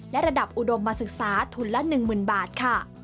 และระดับอุดมศึกษาทุนละ๑๐๐๐บาทค่ะ